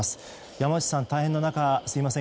山内さん、大変な中、すみません